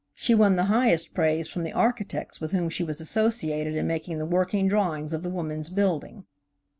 She won the highest praise from the architects with whom she was associated in making the working drawings of the Woman's Building.